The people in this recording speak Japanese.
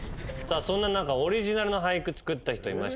さあそんな中オリジナルの俳句作った人いました。